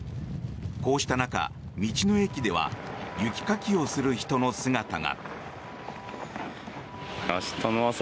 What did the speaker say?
こうした中、道の駅では雪かきをする人の姿が。